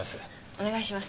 お願いします。